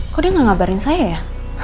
kok dia gak ngabarin saya ya